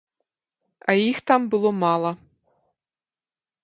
А іх там было мала.